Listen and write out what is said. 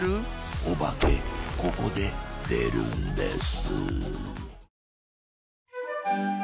おばけここで出るんです